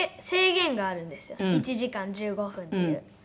１時間１５分っていう。